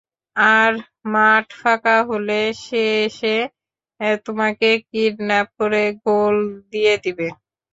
আর মাঠ ফাঁকা হলে, সে এসে তোমাকে কিডন্যাপ করে গোল দিয়ে দিবে।